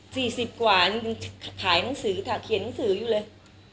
สี่สิบกว่าขายหนังสือเคยน่ากลายหรือยัง